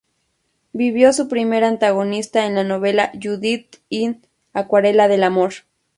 Vivió su primer antagonista en la novela, Judith in "Acuarela del Amor".